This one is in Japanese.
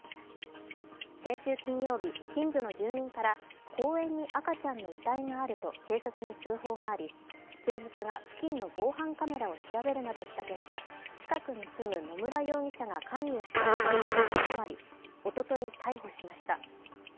先週金曜日、近所の住民から公園に赤ちゃんの遺体があると警察に通報があり、警察が付近の防犯カメラを調べるなどした結果近くに住む野村容疑者が関与した疑いが強まり、おととい逮捕しました。